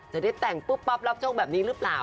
จะได้แต่งปุ๊บปั๊บรับโชคแบบนี้หรือเปล่า